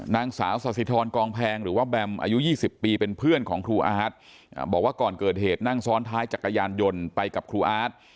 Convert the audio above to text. นางสาวสาธิธรกองแพงหรือว่าแบมอายุ๒๐ปีเป็นเพื่อนของครูอาร์ตบอกว่าก่อนเกิดเหตุนั่งซ้อนท้ายจักรยานยนต์ไปกับครูอาร์ต